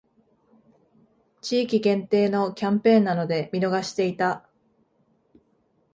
地域限定のキャンペーンなので見逃していた